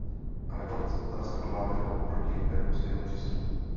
A nakonec, otázka globálního oproti evropskému přístupu.